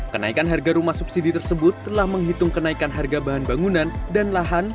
kenaikan harga rumah subsidi tersebut telah menghitung kenaikan harga bahan bangunan dan lahan